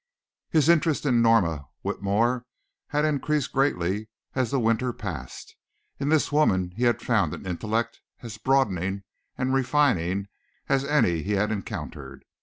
His interest in Norma Whitmore had increased greatly as the winter passed. In this woman he had found an intellect as broadening and refining as any he had encountered.